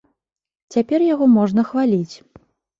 Цяпер яго можна хваліць.